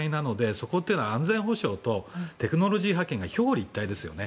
そこというのは安全保障とテクノロジー覇権が表裏一体ですよね。